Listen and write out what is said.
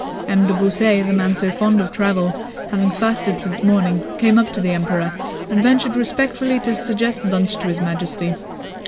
M. de Beausset, the man so fond of travel, having fasted since morning, came up to the Emperor and ventured respectfully to suggest lunch to His Majesty.